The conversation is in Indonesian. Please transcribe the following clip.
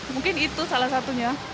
mungkin itu salah satunya